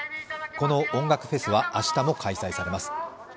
この音楽フェスは明日も開催されます。